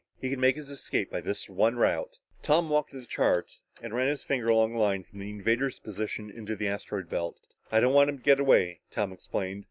He can make his escape by this one route." Tom walked to the chart and ran his finger on a line away from the invader's position into the asteroid belt. "I don't want him to get away," Tom explained.